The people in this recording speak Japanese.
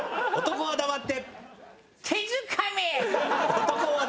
男は黙って。